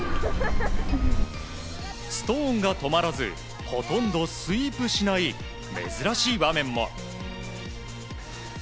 ストーンが止まらずほとんどスイープしない珍しい場面も。